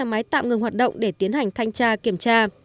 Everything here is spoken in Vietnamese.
các nhà máy tạm ngừng hoạt động để tiến hành thanh tra kiểm tra